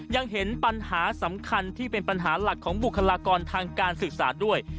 ยังเห็นปัญหาสำคัญที่เป็นปัญหาหลักของบุคลากรทางการศึกษาด้วย